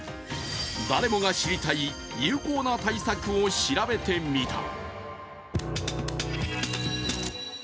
誰もが知りたい有効な対策を調べてみた。